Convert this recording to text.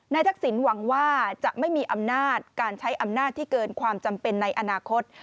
ทักษิณหวังว่าจะไม่มีอำนาจการใช้อำนาจที่เกินความจำเป็นในอนาคต